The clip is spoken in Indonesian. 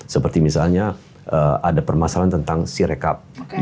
seperti misalnya ada permasalahan tentang sirekap